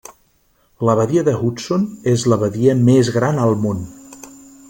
La badia de Hudson és la badia més gran al món.